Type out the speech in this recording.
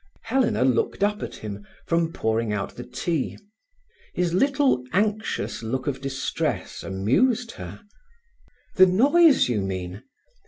Helena looked up at him, from pouring out the tea. His little anxious look of distress amused her. "The noise, you mean?